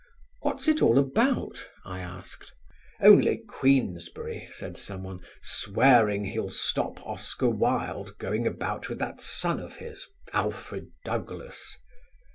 "What's it all about?" I asked. "Only Queensberry," said someone, "swearing he'll stop Oscar Wilde going about with that son of his, Alfred Douglas."